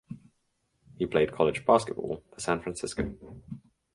He played college basketball for San Francisco.